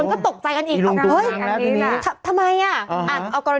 อุโห